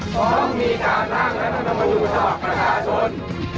๒ต้องมีการทางรัฐมนตร์ชาวักประชาชน